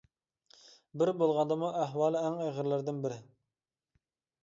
بىرى بولغاندىمۇ ئەھۋالى ئەڭ ئېغىرلىرىدىن بىرى.